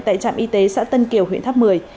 tại trạm y tế xã tân kiều huyện tháp mười